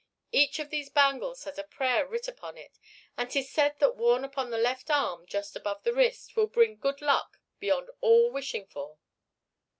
Each of these bangles has a prayer writ upon it, and 'tis said that worn upon the left arm, just above the wrist, 'twill bring good luck beyond all wishing for."